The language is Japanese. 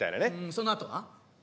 そのあとは？